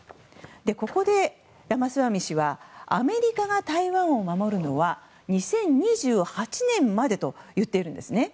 ここでラマスワミ氏はアメリカが台湾を守るのは２０２８年までと言っているんですね。